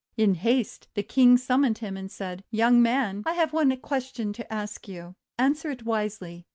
In haste, the King summoned him, and said :— f Young Man, I have one question to ask you. Answer it wisely.